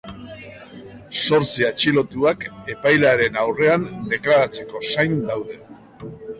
Zortzi atxilotuak epailearen aurrean deklaratzeko zain daude.